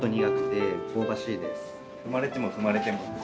踏まれても踏まれてもって。